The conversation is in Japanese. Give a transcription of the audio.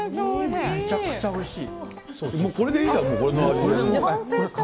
めちゃめちゃおいしい。